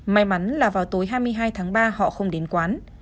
may mắn là vào tối hai mươi hai tháng ba họ không đến quán